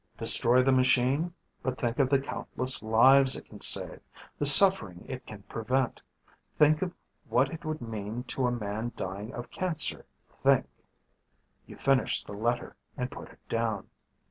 "Destroy the machine? But think of the countless lives it can save, the suffering it can prevent. Think of what it would mean to a man dying of cancer. Think ..."Think. You finish the letter and put it down.